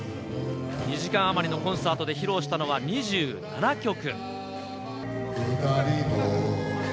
２時間余りのコンサートで披露したのは２７曲。